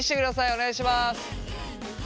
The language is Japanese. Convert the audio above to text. お願いします。